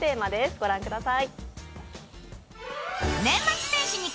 御覧ください。